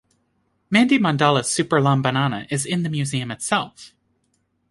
Mandy Mandala Superlambanana is in the museum itself.